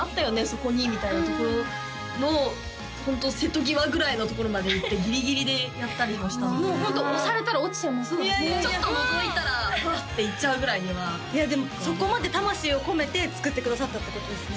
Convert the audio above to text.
そこに」みたいなところのホント瀬戸際ぐらいのところまで行ってギリギリでやったりもしたのでホント押されたら落ちちゃいますからちょっとのぞいたらふわっていっちゃうぐらいにはいやでもそこまで魂を込めて作ってくださったってことですね